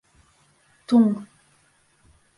Туң!